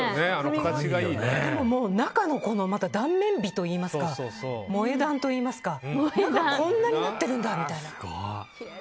でも、中の断面美といいますか萌え断といいますかこんなになってるんだと。